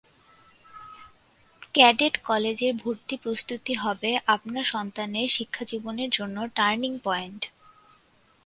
Cadet কলেজের ভর্তি প্রস্তুতি হবে আপনার সন্তানের শিক্ষাজীবনের জন্য টার্নিং পয়েন্ট।